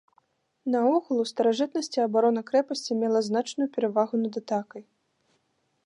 Наогул, у старажытнасці абарона крэпасці мела значную перавагу над атакай.